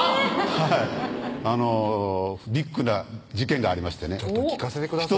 はいビッグな事件がありましてねちょっと聞かせてください